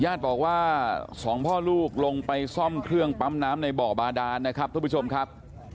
ญาติบอกว่าสองพ่อลูกลงไปซ่อมเครื่องปั๊มน้ำในบ่อบาดานนะครับทุกผู้ชมครับ